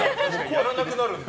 やらなくなるんだ。